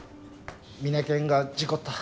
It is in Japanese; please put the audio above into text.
ミネケンが事故った。